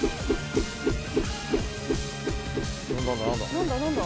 何だ何だ？